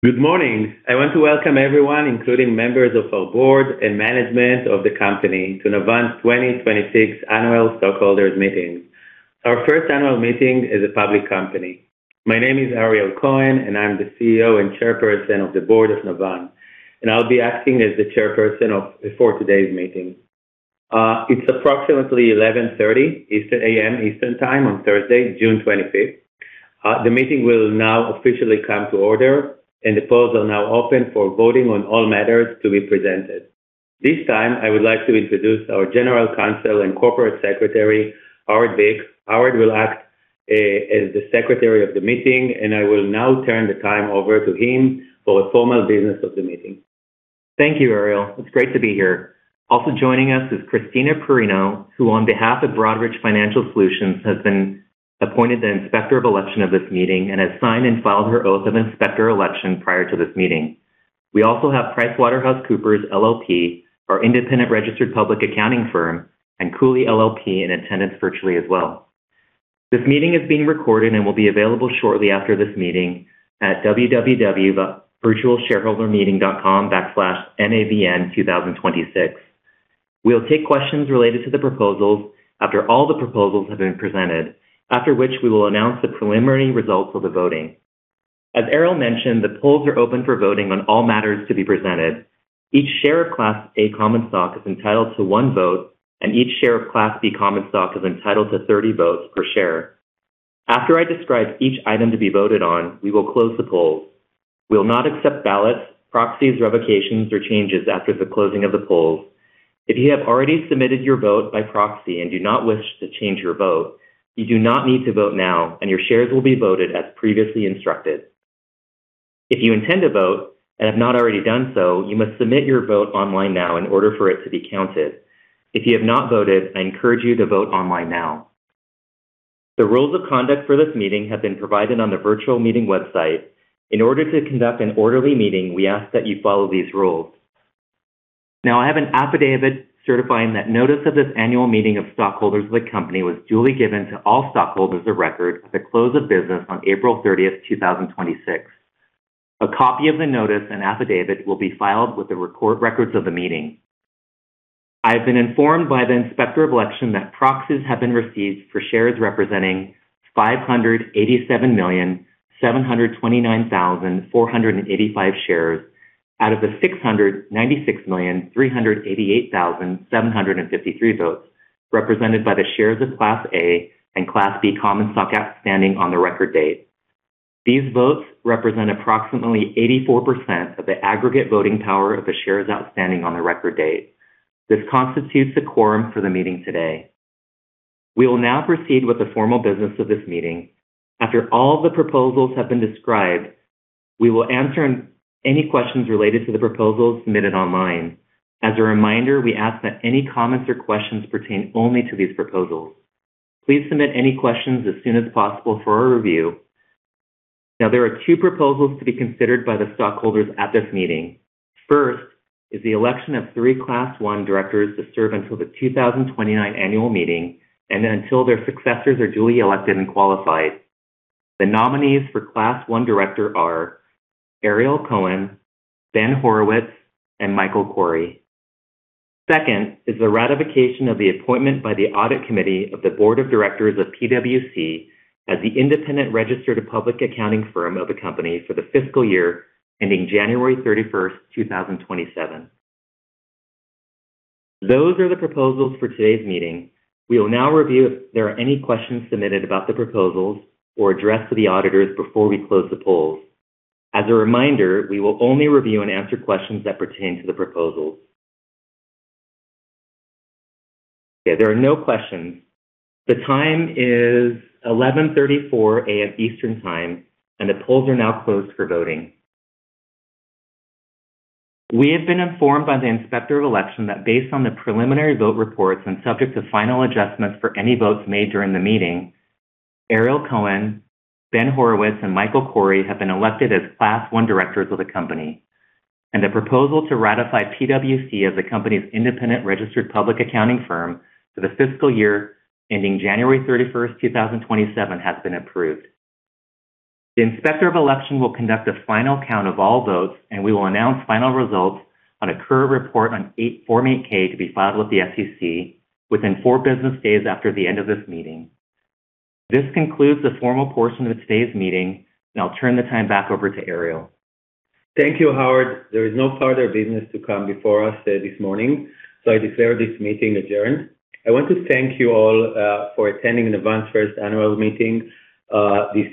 Good morning. I want to welcome everyone, including members of our board and management of the company, to Navan's 2026 annual stockholders meeting, our first annual meeting as a public company. My name is Ariel Cohen, and I'm the CEO and Chairperson of the Board of Navan, and I'll be acting as the chairperson for today's meeting. It's approximately 11:30 A.M. Eastern Time on Thursday, June 25. The meeting will now officially come to order. The polls are now open for voting on all matters to be presented. This time, I would like to introduce our General Counsel and Corporate Secretary, Howard Baik. Howard will act as the secretary of the meeting. I will now turn the time over to him for the formal business of the meeting. Thank you, Ariel. Also joining us is Christina Perino, who, on behalf of Broadridge Financial Solutions, has been appointed the Inspector of Election of this meeting and has signed and filed her oath of Inspector of Election prior to this meeting. We also have PricewaterhouseCoopers LLP, our independent registered public accounting firm, and Cooley LLP in attendance virtually as well. This meeting is being recorded and will be available shortly after this meeting at www.virtualshareholdermeeting.com/navn2026. We'll take questions related to the proposals after all the proposals have been presented, after which we will announce the preliminary results of the voting. As Ariel mentioned, the polls are open for voting on all matters to be presented. Each share of Class A common stock is entitled to one vote. Each share of Class B common stock is entitled to 30 votes per share. After I describe each item to be voted on, we will close the polls. We will not accept ballots, proxies, revocations, or changes after the closing of the polls. If you have already submitted your vote by proxy and do not wish to change your vote, you do not need to vote now. Your shares will be voted as previously instructed. If you intend to vote and have not already done so, you must submit your vote online now in order for it to be counted. If you have not voted, I encourage you to vote online now. The rules of conduct for this meeting have been provided on the virtual meeting website. In order to conduct an orderly meeting, we ask that you follow these rules. I have an affidavit certifying that notice of this annual meeting of stockholders of the company was duly given to all stockholders of record at the close of business on April 30, 2026. A copy of the notice and affidavit will be filed with the records of the meeting. I have been informed by the Inspector of Election that proxies have been received for shares representing 587,729,485 shares out of the 696,388,753 votes represented by the shares of Class A and Class B common stock outstanding on the record date. These votes represent approximately 84% of the aggregate voting power of the shares outstanding on the record date. This constitutes a quorum for the meeting today. We will now proceed with the formal business of this meeting. After all the proposals have been described, we will answer any questions related to the proposals submitted online. As a reminder, we ask that any comments or questions pertain only to these proposals. Please submit any questions as soon as possible for our review. There are two proposals to be considered by the stockholders at this meeting. First is the election of three Class I directors to serve until the 2029 annual meeting and until their successors are duly elected and qualified. The nominees for Class I director are Ariel Cohen, Ben Horowitz, and Michael Kourey. Second is the ratification of the appointment by the audit committee of the board of directors of PwC as the independent registered public accounting firm of the company for the fiscal year ending January 31st 2027. Those are the proposals for today's meeting. We will now review if there are any questions submitted about the proposals or addressed to the auditors before we close the polls. As a reminder, we will only review and answer questions that pertain to the proposals. There are no questions. The time is 11:34 A.M. Eastern Time. The polls are now closed for voting. We have been informed by the Inspector of Election that based on the preliminary vote reports and subject to final adjustments for any votes made during the meeting, Ariel Cohen, Ben Horowitz, and Michael Kourey have been elected as Class I directors of the company, and the proposal to ratify PwC as the company's independent registered public accounting firm for the fiscal year ending January 31st 2027 has been approved. The Inspector of Election will conduct a final count of all votes. We will announce final results on a current report on Form 8-K to be filed with the SEC within four business days after the end of this meeting. This concludes the formal portion of today's meeting. I'll turn the time back over to Ariel. Thank you, Howard. There is no further business to come before us this morning. I declare this meeting adjourned. I want to thank you all for attending Navan's first annual meeting this.